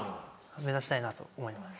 目指したいなと思います。